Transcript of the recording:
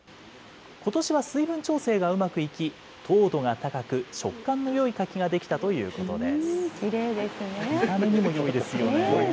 ことしは水分調整がうまくいき、糖度が高く、食感のよい柿が出来たということです。